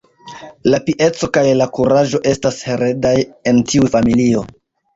La pieco kaj la kuraĝo estas heredaj en tiu familio.